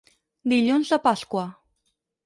Dilluns de Pasqua.